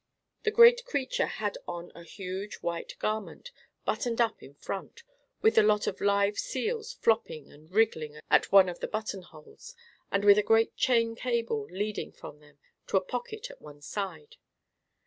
The great creature had on a huge white garment, buttoned up in front, with a lot of live seals flopping and wriggling at one of the button holes, and with a great chain cable leading from them to a pocket at one side.